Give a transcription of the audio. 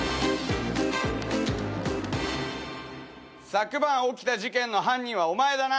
昨晩起きた事件の犯人はお前だな？